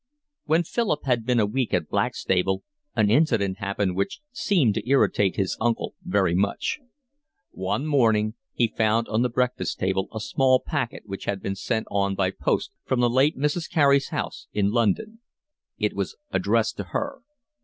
When Philip had been a week at Blackstable an incident happened which seemed to irritate his uncle very much. One morning he found on the breakfast table a small packet which had been sent on by post from the late Mrs. Carey's house in London. It was addressed to her.